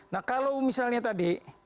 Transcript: nah kalau misalnya tadi